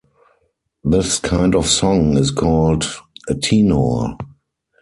This kind of song is called "a tenore".